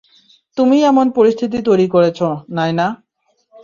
তুমিই এমন পরিস্থিতি তৈরি করেছো, নায়না।